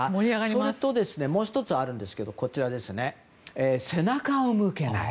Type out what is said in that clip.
それと、もう１つあるんですが背中を向けない。